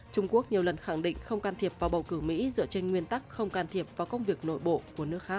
trung quốc nhiều lần khẳng định không can thiệp vào bầu cử mỹ dựa trên nguyên tắc không can thiệp vào công việc nội bộ của nước khác